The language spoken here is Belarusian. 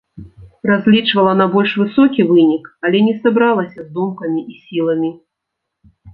Разлічвала на больш высокі вынік, але не сабралася з думкамі і сіламі.